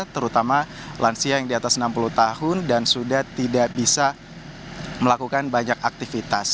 terutama lansia yang di atas enam puluh tahun dan sudah tidak bisa melakukan banyak aktivitas